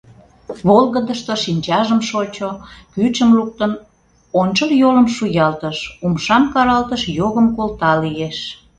Волгыдышто шинчажым шочо, кӱчым луктын, ончыл йолым шуялтыш, умшам каралтыш — йогым колта лиеш.